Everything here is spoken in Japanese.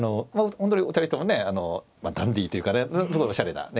本当に２人ともねダンディーというかねおしゃれなね